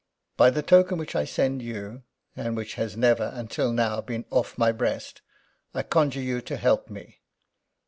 "By the token which I send you, and which has never, until now, been off my breast, I conjure you to help me.